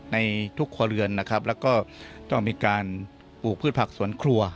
ในทุกครัวเรือนนะครับแล้วก็ต้องมีการปลูกพืชผักสวนครัว